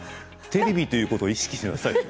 テレビということを意識しなさいよ